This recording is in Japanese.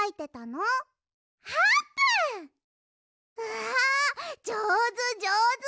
わあじょうずじょうず！